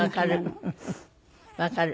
わかる。